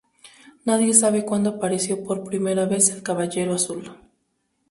Nadie sabe cuando apareció por primera vez el Caballero Azul.